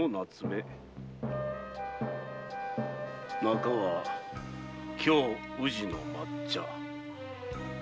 中は京・宇治の抹茶。